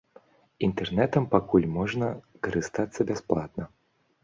Інтэрнэтам пакуль можна карыстацца бясплатна.